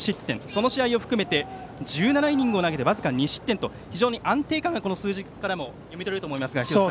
その試合を含めて１７イニングを投げて僅か２失点と非常に安定感がこの数字からも読み取れるかと思いますが。